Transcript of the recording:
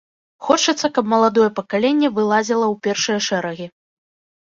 Хочацца, каб маладое пакаленне вылазіла ў першыя шэрагі.